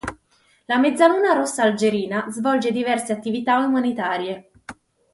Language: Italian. La Mezzaluna Rossa Algerina svolge diverse attività umanitarie.